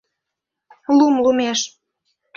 Лум лумеш.